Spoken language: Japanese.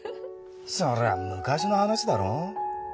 それは昔の話だろ。